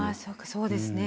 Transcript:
そうですね。